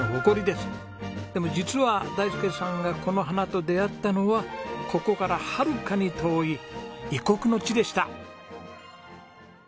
でも実は大介さんがこの花と出会ったのはここからはるかに遠い異国の地でした。